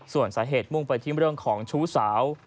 ส่วนสาเหตุมุ่งไปที่เรื่องของชู้สาว